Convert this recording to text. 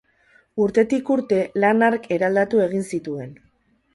Urterik urte, lan hark eraldatu egin zituen.